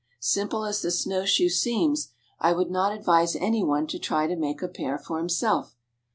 Simple as the snow shoe seems, I would not advise any one to try to make a pair for himself.